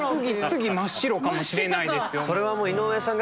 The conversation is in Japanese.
次真っ白かもしれないですよ。